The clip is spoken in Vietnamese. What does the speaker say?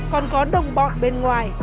còn có đồng bọn bên ngoài